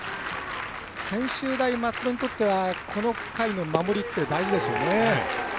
専修大松戸にとってはこの回の守りって大事ですよね。